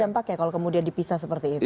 dampaknya kalau kemudian dipisah seperti itu